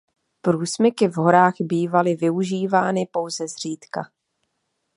Průsmyky v horách bývaly využívány pouze zřídka.